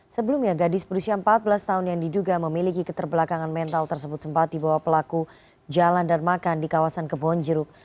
sebelumnya gadis berusia empat belas tahun yang diduga memiliki keterbelakangan mental tersebut sempat dibawa pelaku jalan dan makan di kawasan kebonjeruk